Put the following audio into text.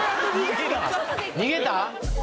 逃げた？